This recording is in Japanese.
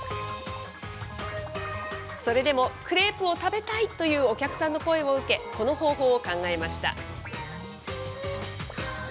それでも、クレープを食べたいというお客さんの声を受け、この方法を考えました。